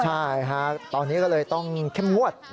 ใช่ฮะตอนนี้ก็เลยต้องเข้มงวด